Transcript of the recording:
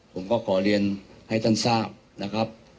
ผมก็ขอเรียนให้ท่านทราบนะครับ